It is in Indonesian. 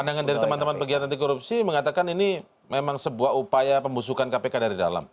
pandangan dari teman teman pegiat anti korupsi mengatakan ini memang sebuah upaya pembusukan kpk dari dalam